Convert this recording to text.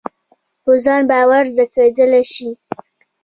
په ځان باور زده کېدلای شي.